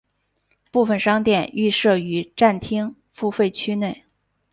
部分商店亦设于站厅付费区内。